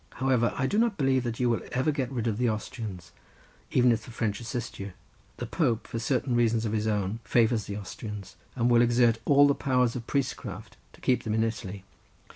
However, I do not believe that you will ever get rid of the Austrians, even if the French assist you. The Pope for certain reasons of his own favours the Austrians, and will exert all the powers of priestcraft to keep them in Italy.